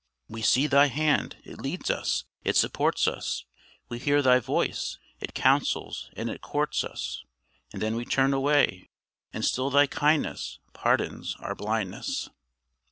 We see Thy hand it leads us, it supports us; We hear Thy voice it counsels and it courts us; And then we turn away and still thy kindness Pardons our blindness.